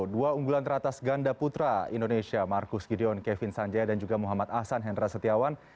dua unggulan teratas ganda putra indonesia marcus gideon kevin sanjaya dan juga muhammad ahsan hendra setiawan